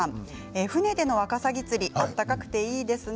船でのワカサギ釣り暖かくていいですね。